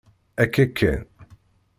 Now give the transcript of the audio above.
Akka kan.